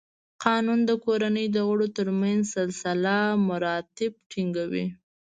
قانون د کورنۍ د غړو تر منځ سلسله مراتب ټینګوي.